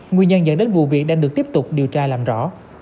nguyên nhân dẫn đến vụ việc đang được tiếp tục điều tra làm rõ